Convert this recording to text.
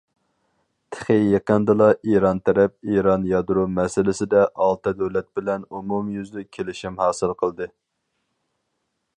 تېخى يېقىندىلا ئىران تەرەپ ئىران يادرو مەسىلىسىدە ئالتە دۆلەت بىلەن ئومۇميۈزلۈك كېلىشىم ھاسىل قىلدى.